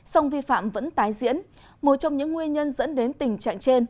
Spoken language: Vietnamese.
song vi phạm vẫn tái diễn một trong những nguyên nhân dẫn đến tình trạng trên